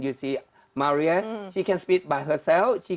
anda melihat maria dia bisa berbicara sendiri